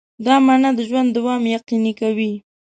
دا مانا د ژوند دوام یقیني کوي.